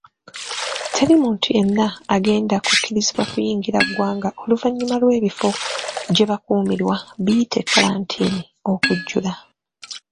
Teri muntu yenna agenda kukkirizibwa kuyingira ggwanga oluvannyuma lw'ebifo gye bakuumibwa biyite 'kalantiini' okujjula.